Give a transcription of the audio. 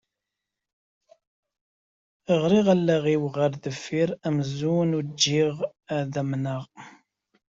Rriɣ allaɣ-iw ɣer deffir amzun ugiɣ ad amneɣ.